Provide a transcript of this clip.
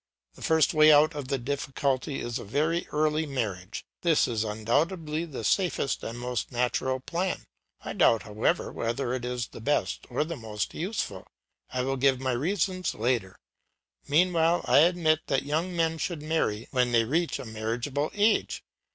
The first way out of the difficulty is a very early marriage; this is undoubtedly the safest and most natural plan. I doubt, however, whether it is the best or the most useful. I will give my reasons later; meanwhile I admit that young men should marry when they reach a marriageable age.